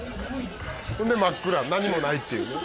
そんで真っ暗何もないっていうね